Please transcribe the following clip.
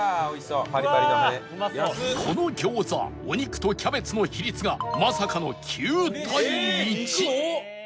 この餃子お肉とキャベツの比率がまさかの ９：１